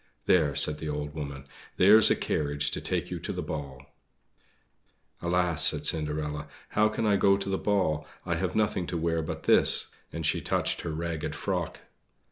"There," said the old woman; "there's a carriage to take you to the ball." "Alas," said Cinderella, "how can I go to the ball? I have nothing to wear but this!" and she touched her ragged frock.